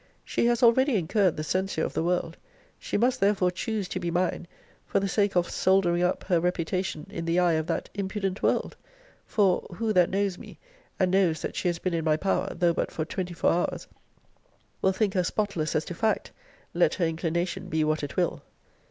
She has already incurred the censure of the world. She must therefore choose to be mine, for the sake of soldering up her reputation in the eye of that impudent world. For, who that knows me, and knows that she has been in my power, though but for twenty four hours, will think her spotless as to fact, let her inclination be what it will?